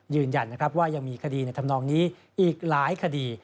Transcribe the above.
ยืนยันว่ายังมีคดีในทำนองนี้อีกหลายคดี